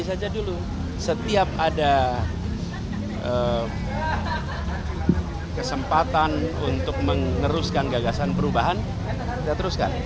saja dulu setiap ada kesempatan untuk meneruskan gagasan perubahan kita teruskan